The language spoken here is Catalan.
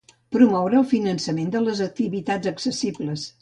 Promoure el finançament de les activitats accessibles.